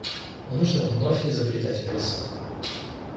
Не нужно вновь изобретать колесо.